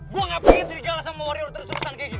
gue gak pengen jadi galas sama wario terus terusan kayak gini